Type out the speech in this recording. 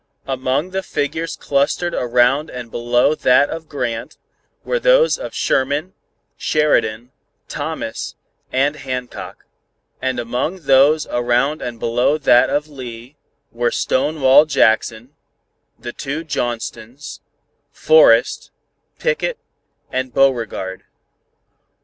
Among the figures clustered around and below that of Grant, were those of Sherman, Sheridan, Thomas and Hancock, and among those around and below that of Lee, were Stonewall Jackson, the two Johnstons, Forrest, Pickett and Beauregard.